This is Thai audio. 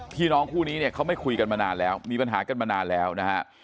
พี่น้องคู่นี้เนี่ยเขาไม่คุยกันมานานแล้วมีปัญหากันมานานแล้วนะฮะ